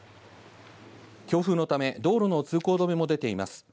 強風のため、道路の通行止めも出ています。